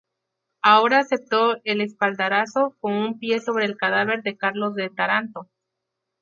Ahora aceptó el espaldarazo con un pie sobre el cadáver de Carlos de Taranto.